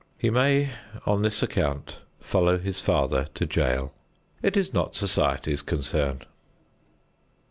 He may on this account follow his father to jail; it is not society's concern.